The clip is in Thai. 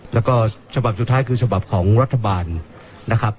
แล้วก็ฉบับสุดท้ายคือฉบับของรัฐบาลนะครับ